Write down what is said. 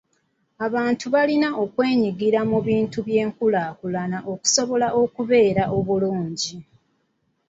Abantu balina okwenyigira mu bintu by'enkulaakulana okusobola okubeera obulungi.